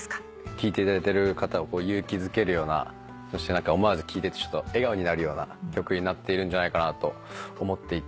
聴いていただいてる方を勇気づけるようなそして思わず聴いてて笑顔になるような曲になっているんじゃないかなと思っていて。